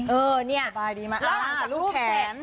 เออเนี่ยสบายดีไหมรูปแขน